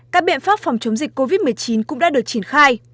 các biện pháp phòng chống dịch covid một mươi chín cũng đã được triển khai